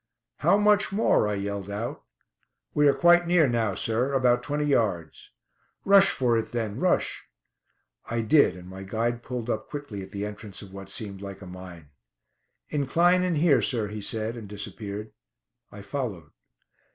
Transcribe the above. "How much more?" I yelled out. "We are quite near now, sir; about twenty yards." "Rush for it, then rush." I did, and my guide pulled up quickly at the entrance of what seemed like a mine. "Incline in here, sir," he said, and disappeared. I followed.